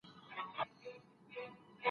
چي ودڅنګ تې مقبره جوړه د سپي ده